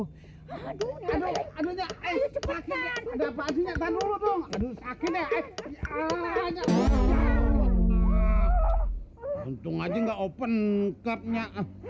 hai untuk aja nggak open card nya